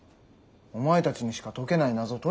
お前たちにしか解けない謎解いただろ？